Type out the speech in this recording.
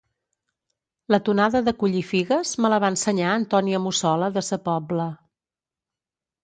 La tonada de collir figues me la va ensenyar Antònia Mussola de sa Pobla